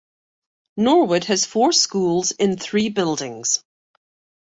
Norwood has four schools in three buildings.